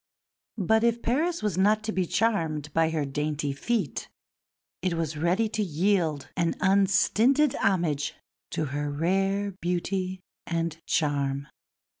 But if Paris was not to be charmed by her dainty feet it was ready to yield an unstinted homage to her rare beauty and charm.